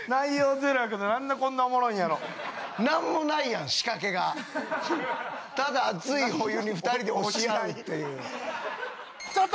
ゼロやけどなんでこんなおもろいんやろ何もないやん仕掛けがただ熱いお湯に２人で押し合うっていうちょっと！